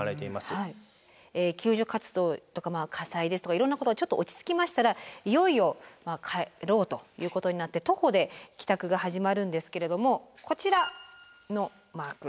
救助活動とか火災ですとかいろんなことがちょっと落ち着きましたらいよいよ帰ろうということになって徒歩で帰宅が始まるんですけれどもこちらのマーク